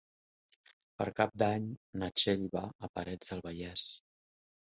Per Cap d'Any na Txell va a Parets del Vallès.